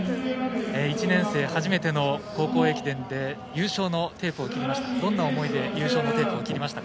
１年生、初めての高校駅伝で優勝のテープを切りました。